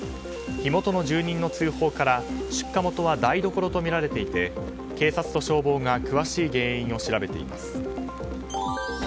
火元の住人の通報から出火元は台所とみられていて警察と消防が詳しい原因を調べています。